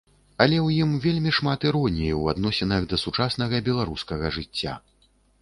Але ў ім вельмі шмат іроніі ў адносінах да сучаснага беларускага жыцця.